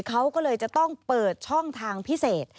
เขาก็เลยจะต้องเปิดช่องทางพิเศษ